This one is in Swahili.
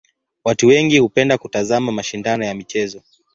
Watu wengi hupenda kutazama mashindano ya michezo.